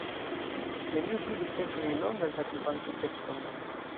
Neniu vidis eĉ unu longan Adjuvanto-tekston.